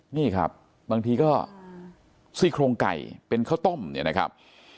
นี่ครับบางทีก็ซี่โครงไก่เป็นข้าวต้มเนี่ยนะครับ